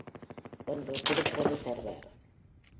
என்று புதுப்பொருள் தருவார்.